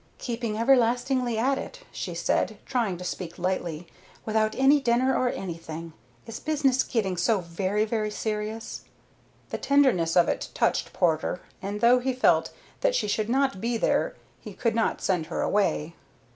"Keeping everlastingly at it," she said, trying to speak lightly, "without any dinner or anything. Is business getting so very, very serious?" The tenderness of it touched Porter, and though he felt that she should not be there he could not send her away.